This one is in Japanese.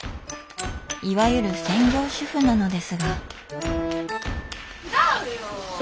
いわゆる専業主夫なのですが。